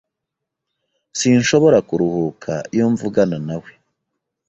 Sinshobora kuruhuka iyo mvugana nawe.